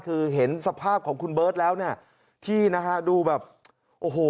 คือเห็นสภาพของคุณเบิร์ตแล้วเนี่ยที่นะฮะดูแบบโอ้โห